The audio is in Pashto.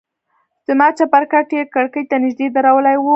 زما چپرکټ يې کړکۍ ته نژدې درولى و.